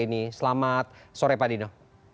ini selamat sore pak dino